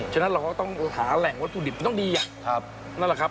ฉะนั้นเราก็ต้องหาแหล่งวัตถุดิบมันต้องดีนั่นแหละครับ